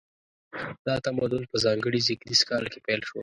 دا تمدن په ځانګړي زیږدیز کال کې پیل شو.